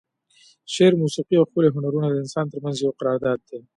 شعر، موسیقي او ښکلي هنرونه د انسانانو ترمنځ یو قرارداد دی.